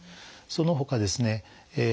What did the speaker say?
そのほかですね